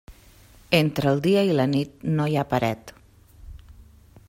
Entre el dia i la nit, no hi ha paret.